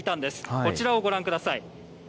こちらをご覧ください。